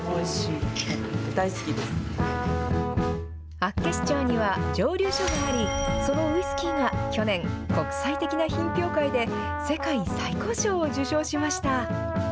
厚岸町には蒸留所があり、そのウイスキーが去年、国際的な品評会で世界最高賞を受賞しました。